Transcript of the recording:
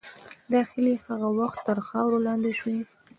دا هیلې هغه وخت تر خاورې لاندې شوې.